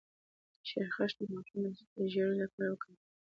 د شیرخشت د ماشوم د ژیړي لپاره وکاروئ